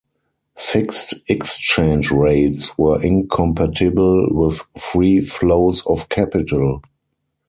Fixed exchange rates were incompatible with free flows of capital.